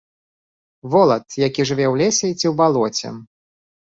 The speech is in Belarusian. Волат, які жыве ў лесе ці ў балоце.